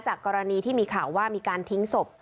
กรณีที่มีข่าวว่ามีการทิ้งศพ